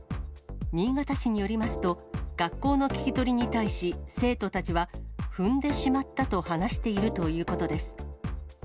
新潟市によりますと、学校の聞き取りに対し生徒たちは、踏んでしまったと話しているということです。